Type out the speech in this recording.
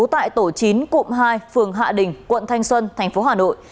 tại tổ chín cụm hai phường hạ đình quận thanh xuân tp hà nội